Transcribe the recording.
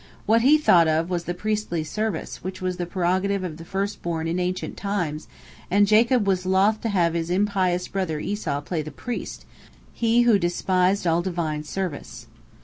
What he thought of was the priestly service, which was the prerogative of the first born in ancient times, and Jacob was loth to have his impious brother Esau play the priest, he who despised all Divine service.